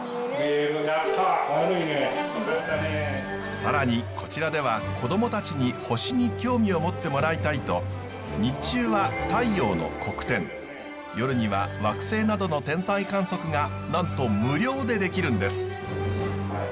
更にこちらではこどもたちに星に興味を持ってもらいたいと日中は太陽の黒点夜には惑星などの天体観測がなんと無料でできるんです。